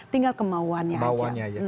tinggal kemauannya aja